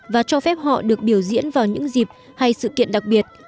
và cho phép họ được biểu diễn vào những dịp hay sự kiện đặc biệt